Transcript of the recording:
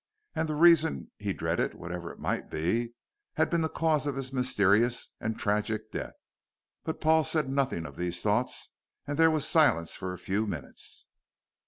And the reason he dreaded, whatever it might be, had been the cause of his mysterious and tragic death. But Paul said nothing of these thoughts and there was silence for a few minutes.